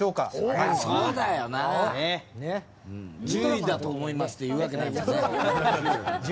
１０位だと思いますって言うわけないもんね。